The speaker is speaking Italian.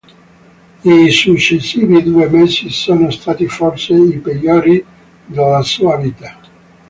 I successivi due mesi sono stati forse i peggiori della sua vita.